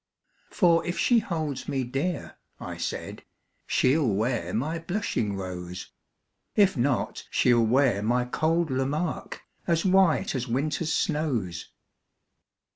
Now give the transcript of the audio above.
For if she holds me dear, I said, She'll wear my blushing rose; If not, she'll wear my cold Lamarque, As white as winter's snows.